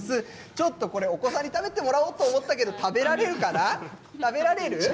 ちょっとこれ、お子さんに食べてもらおうと思ったけど食べられるかな、食べられる。